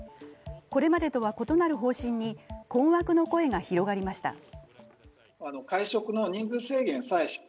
これまでとは異なる方針に困惑の声が広がりました。